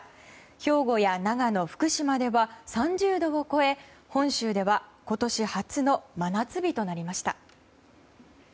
兵庫や長野、福島では３０度を超え本州では今年初の真夏日となりました。